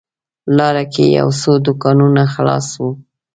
لاره کې یو څو دوکانونه خلاص و.